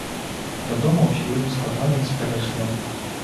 Вядома, усё вельмі складана і супярэчліва.